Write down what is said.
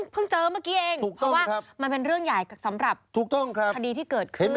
เจอเมื่อกี้เองเพราะว่ามันเป็นเรื่องใหญ่สำหรับคดีที่เกิดขึ้น